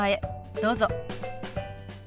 どうぞ。